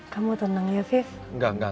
kamu tenang ya viv